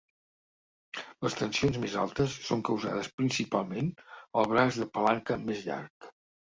Les tensions més altes són causades, principalment, al braç de palanca més llarg.